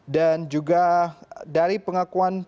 dan juga dari pengakuan